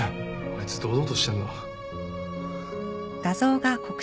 あいつ堂々としてんな。